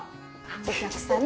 お客さん